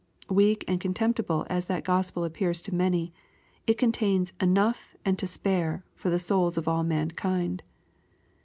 Weak and contemptible as that Gospel appears to many, it contains *^ enough and to spare" for the souls of all mankind.